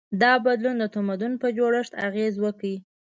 دا بدلون د تمدن په جوړښت اغېز وکړ.